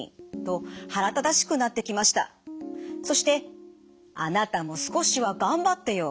そして「あなたも少しはがんばってよ！」